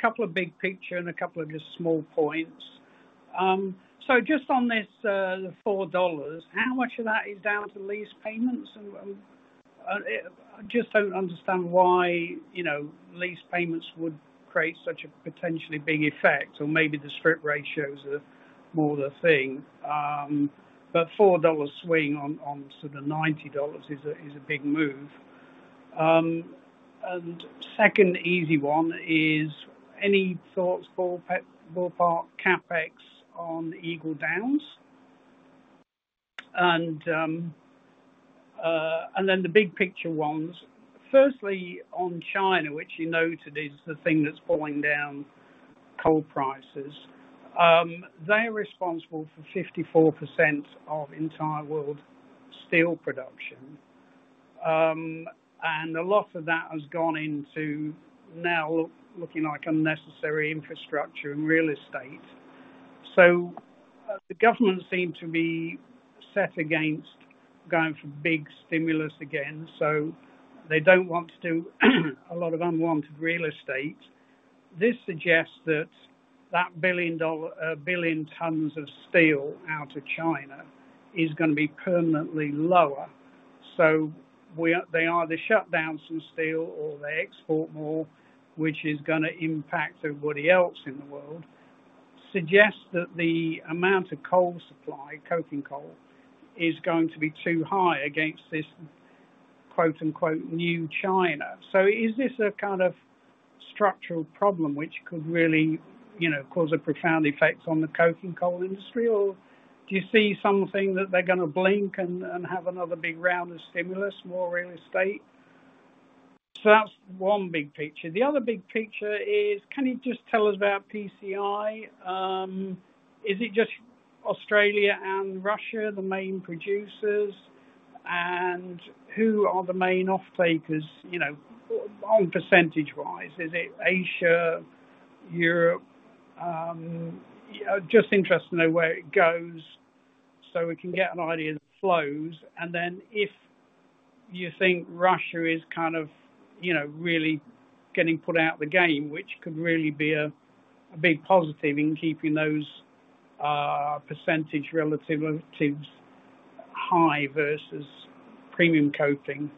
couple of big picture and a couple of just small points. So just on this, the $4, how much of that is down to lease payments? And I just don't understand why, you know, lease payments would create such a potentially big effect, or maybe the strip ratios are more the thing, but $4 swing on sort of $90 is a big move. And second easy one is, any thoughts for ballpark CapEx on Eagle Downs? And then the big picture ones. Firstly, on China, which you noted is the thing that's pulling down coal prices. They are responsible for 54% of entire world steel production, and a lot of that has gone into now looking like unnecessary infrastructure and real estate. So the government seem to be set against going for big stimulus again, so they don't want to do a lot of unwanted real estate. This suggests that billion dollar, billion tons of steel out of China is gonna be permanently lower. So they either shut down some steel or they export more, which is gonna impact everybody else in the world. Suggests that the amount of coal supply, coking coal, is going to be too high against this, quote, unquote, "new China." So is this a kind of structural problem which could really, you know, cause a profound effect on the coking coal industry? Or do you see something that they're gonna blink and have another big round of stimulus, more real estate? So that's one big picture. The other big picture is, can you just tell us about PCI? Is it just Australia and Russia, the main producers, and who are the main off-takers, you know, on percentage wise? Is it Asia, Europe? Yeah, just interested to know where it goes, so we can get an idea of the flows. And then if you think Russia is kind of, you know, really getting put out of the game, which could really be a big positive in keeping those percentage relativities high versus premium coking.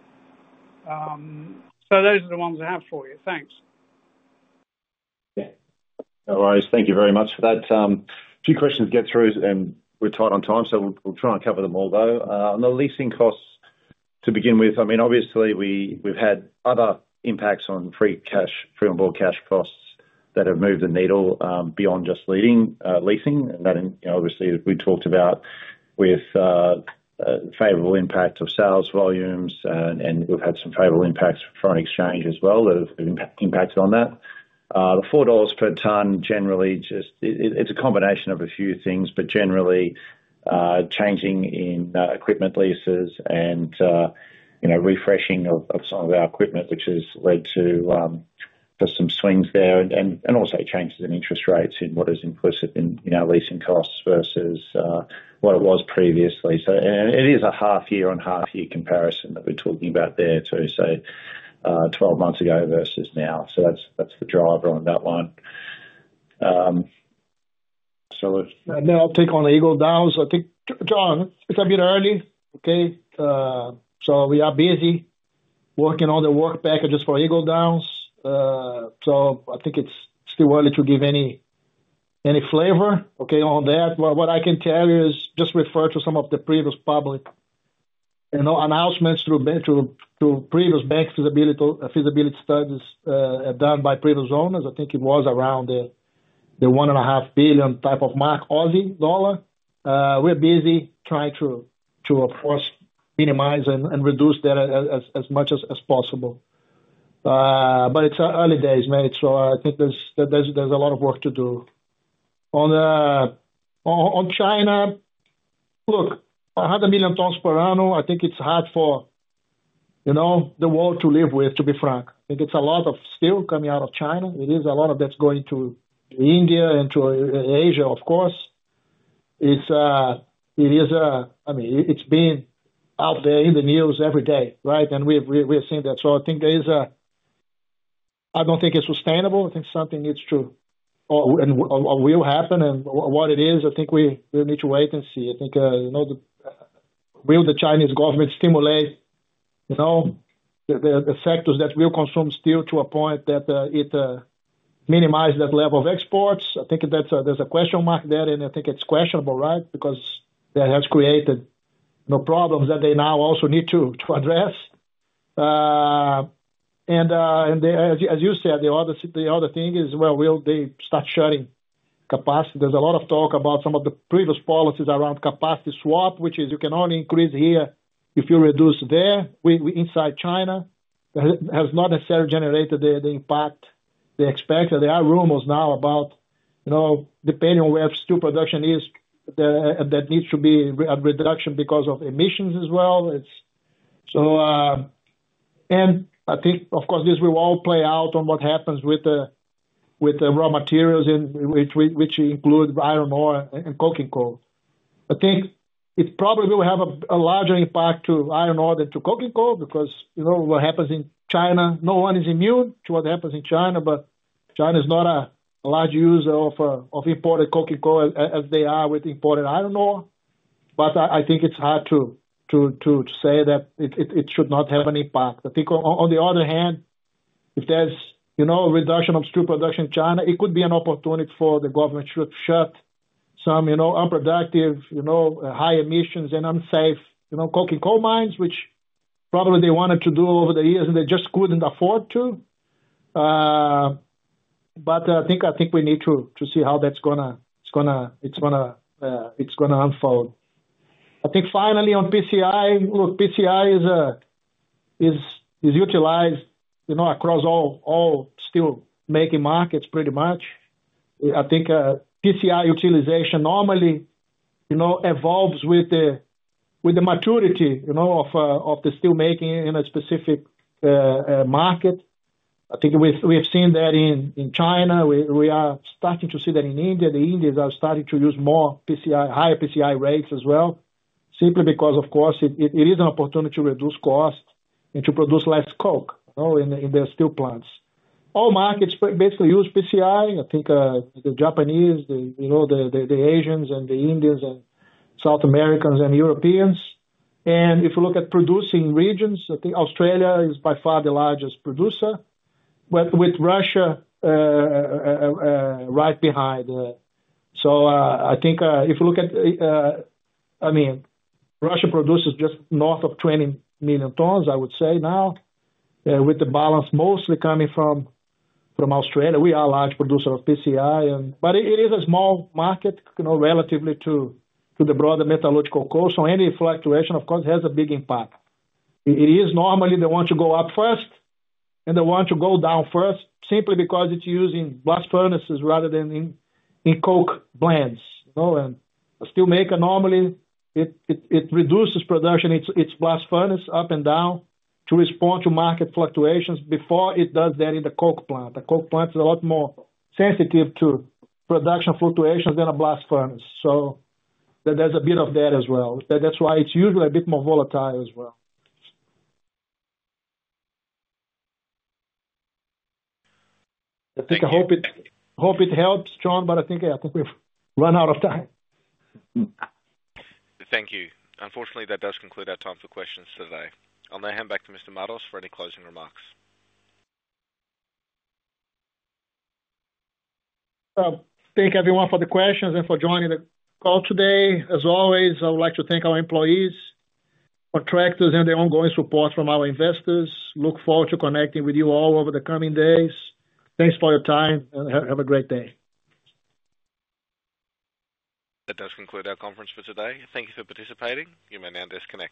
So those are the ones I have for you. Thanks.
Yeah. No worries. Thank you very much for that. A few questions to get through, and we're tight on time, so we'll try and cover them all, though. On the leasing costs to begin with, I mean, obviously we've had other impacts on free cash, free on board cash costs that have moved the needle, beyond just leasing. And that, you know, obviously, we talked about with favorable impact of sales volumes, and we've had some favorable impacts from foreign exchange as well, that have impacted on that. The four dollars per ton, generally, just, It's a combination of a few things, but generally, changes in equipment leases and, you know, refreshing of some of our equipment, which has led to just some swings there, and also changes in interest rates in what is implicit in, you know, our leasing costs versus what it was previously. So, and it is a half year on half year comparison that we're talking about there, too. So, twelve months ago versus now. So that's the driver on that one. So if-
And then I'll take on the Eagle Downs. I think, John, it's a bit early, okay? So we are busy working on the work packages for Eagle Downs. So I think it's still early to give any flavor, okay, on that. But what I can tell you is just refer to some of the previous public, you know, announcements through previous bankable feasibility studies done by previous owners. I think it was around the 1.5 billion type of mark. We're busy trying to, of course, minimize and reduce that as much as possible. But it's early days, mate, so I think there's a lot of work to do. On China, look, 100 million tons per annum, I think it's hard for- You know, the world to live with, to be frank. I think it's a lot of steel coming out of China. It is a lot that's going to India and to Asia, of course. It's, I mean, it's been out there in the news every day, right? And we've seen that. So I think there is. I don't think it's sustainable. I think something needs to or will happen, and what it is, I think we need to wait and see. I think, you know., Will the Chinese government stimulate, you know, the sectors that will consume steel to a point that it minimize that level of exports? I think that's. There's a question mark there, and I think it's questionable, right? Because that has created the problems that they now also need to address. And as you said, the other thing is, well, will they start shutting capacity? There's a lot of talk about some of the previous policies around capacity swap, which is you can only increase here if you reduce there, inside China. It has not necessarily generated the impact they expected. There are rumors now about, you know, depending on where steel production is, there needs to be a reduction because of emissions as well. It's so. And I think, of course, this will all play out on what happens with the raw materials which include iron ore and coking coal. I think it probably will have a larger impact to iron ore than to coking coal, because, you know, what happens in China, no one is immune to what happens in China, but China is not a large user of imported coking coal, as they are with imported iron ore. But I think it's hard to say that it should not have an impact. I think on the other hand, if there's, you know, a reduction of steel production in China, it could be an opportunity for the government to shut some, you know, unproductive, you know, high emissions and unsafe, you know, coking coal mines, which probably they wanted to do over the years, and they just couldn't afford to. But I think we need to see how that's gonna unfold. I think finally, on PCI, look, PCI is utilized, you know, across all steelmaking markets, pretty much. I think PCI utilization normally, you know, evolves with the maturity, you know, of the steelmaking in a specific market. I think we've seen that in China. We are starting to see that in India. The Indians are starting to use more PCI, higher PCI rates as well, simply because, of course, it is an opportunity to reduce cost and to produce less coke, you know, in their steel plants. All markets basically use PCI. I think, the Japanese, you know, the Asians and the Indians and South Americans and Europeans. If you look at producing regions, I think Australia is by far the largest producer, with Russia right behind. So, I think, if you look at, I mean, Russia produces just north of20 million tons, I would say now, with the balance mostly coming from Australia. We are a large producer of PCI, and but it is a small market, you know, relatively to the broader metallurgical coal. So any fluctuation, of course, has a big impact. It is normally the one to go up first, and the one to go down first, simply because it's used in blast furnaces rather than in coke plants. You know, and a steelmaker normally reduces production, its blast furnace up and down to respond to market fluctuations before it does that in the coke plant. The coke plant is a lot more sensitive to production fluctuations than a blast furnace. So there's a bit of that as well. That's why it's usually a bit more volatile as well. I think I hope it helps, John, but I think we've run out of time.
Thank you. Unfortunately, that does conclude our time for questions today. I'll now hand back to Mr. Matos for any closing remarks.
Thank everyone for the questions and for joining the call today. As always, I would like to thank our employees, contractors, and the ongoing support from our investors. Look forward to connecting with you all over the coming days. Thanks for your time, and have a great day.
That does conclude our conference for today. Thank you for participating. You may now disconnect.